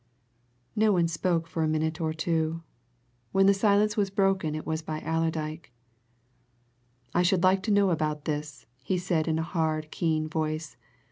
No one spoke for a minute or two. When the silence was broken it was by Allerdyke. "I should like to know about this," he said in a hard, keen voice.